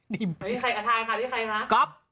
นี่ใครกับไทยคะนี่ใครคะก๊อป